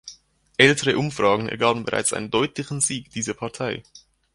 Ältere Umfragen ergaben bereits einen deutlichen Sieg dieser Partei.